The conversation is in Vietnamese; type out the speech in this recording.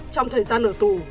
trong thời gian ở tù